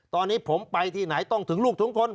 ตอนนี้ผมไปที่ไหนต้องถึงลูกถึงคน